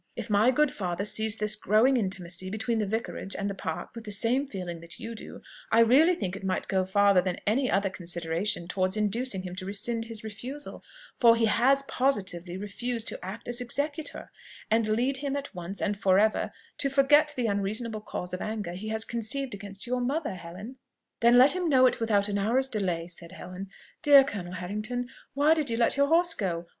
If my good father sees this growing intimacy between the Vicarage and the Park with the same feelings that you do, I really think it might go farther than any other consideration towards inducing him to rescind his refusal for he has positively refused to act as executor and lead him at once and for ever to forget the unreasonable cause of anger he has conceived against your mother, Helen." "Then let him know it without an hour's delay," said Helen. "Dear Colonel Harrington! why did you let your horse go?